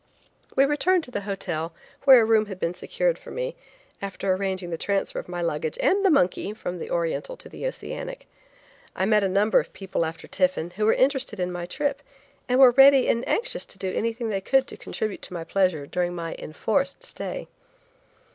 We returned to the hotel, where a room had been secured for me, after arranging the transfer of my luggage and the monkey from the Oriental to the Oceanic. I met a number of people after tiffin, who were interested in my trip, and were ready and anxious to do anything they could to contribute to my pleasure during my enforced stay.